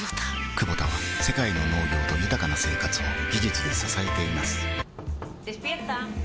クボタは世界の農業と豊かな生活を技術で支えています起きて。